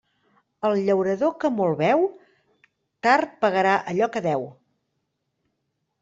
El llaurador que molt beu, tard pagarà allò que deu.